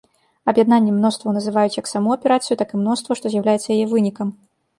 Аб'яднаннем мностваў называюць як саму аперацыю, так і мноства, што з'яўляецца яе вынікам.